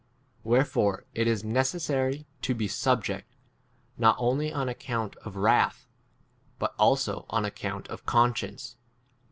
Wherefore it is neces sary to be subject, not only on account of wrath, but also on ac 6 count of conscience.